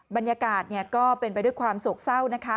บรรยากาศก็เป็นไปด้วยความโศกเศร้านะคะ